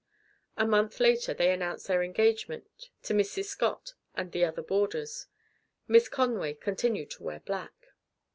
A month later they announced their engagement to Mrs. Scott and the other boarders. Miss Conway continued to wear black.